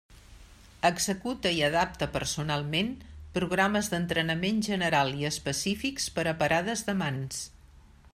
Executa i adapta personalment programes d'entrenament general i específics per a parades de mans.